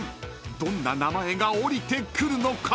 ［どんな名前が降りてくるのか？］